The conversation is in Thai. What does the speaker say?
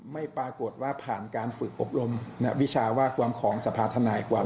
ไม่ปรากฏว่าผ่านการฝึกอบรมวิชาว่าความของสภาธนายความ